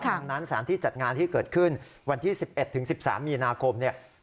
ดังนั้นสถานที่จัดงานที่เกิดขึ้นวันที่๑๑๑๓มีนาคม